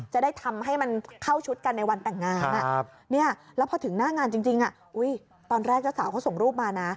จะได้ทำให้มันเข้าชุดกันในวันแต่งงาน